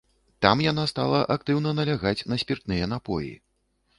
Там яна стала актыўна налягаць на спіртныя напоі.